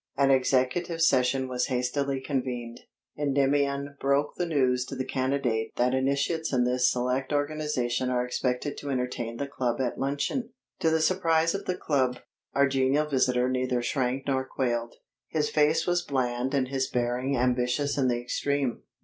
An executive session was hastily convened. Endymion broke the news to the candidate that initiates in this select organization are expected to entertain the club at luncheon. To the surprise of the club, our genial visitor neither shrank nor quailed. His face was bland and his bearing ambitious in the extreme.